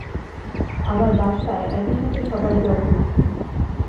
আমার বাসায় একই সাথে সবার জ্বর হয়েছে।